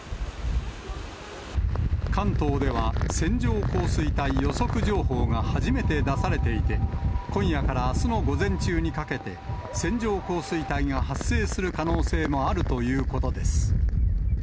関東では、線状降水帯予測情報が初めて出されていて、今夜からあすの午前中にかけて、線状降水帯が発生する可能性もあるということです。